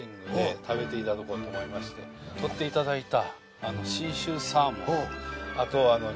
取っていただいた。